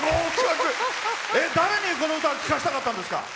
誰に、この歌を聴かせたかったんですか？